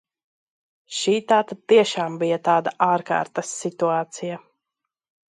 Šī tātad tiešām bija tāda ārkārtas situācija.